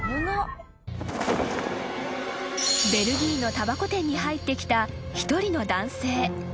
［ベルギーのたばこ店に入ってきた一人の男性］